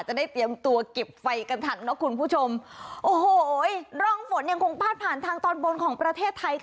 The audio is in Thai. จะได้เตรียมตัวเก็บไฟกันทันนะคุณผู้ชมโอ้โหร่องฝนยังคงพาดผ่านทางตอนบนของประเทศไทย